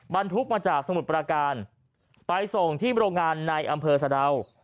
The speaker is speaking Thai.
บรรทุกมาจากสมุทรประการไปส่งที่โรงงานในอำเภอสะดาว